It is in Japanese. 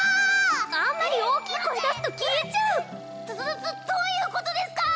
あんまり大きい声出すと消えちゃうどどどっどういうことですか？